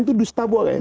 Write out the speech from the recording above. itu dusta boleh